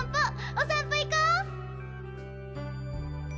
お散歩行こ！